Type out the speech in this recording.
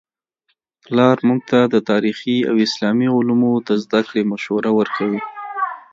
پلار موږ ته د تاریخي او اسلامي علومو د زده کړې مشوره ورکوي.